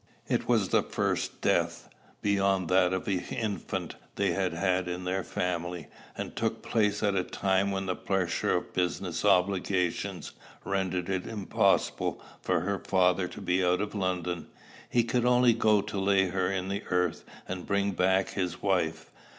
It was the first death, beyond that of an infant, they had had in their family, and took place at a time when the pressure of business obligations rendered it impossible for her father to be out of London: he could only go to lay her in the earth, and bring back his wife.